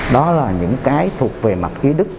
đó là những cái thuộc về mặt ý đức